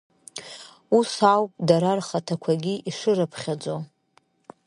Ус ауп дара рхаҭақәагьы ишырыԥхьаӡо.